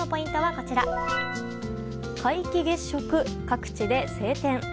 皆既月食、各地で晴天。